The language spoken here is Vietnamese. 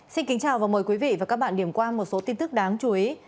xin kính chào và mời quý vị và các bạn điểm qua một số tin tức đáng chú ý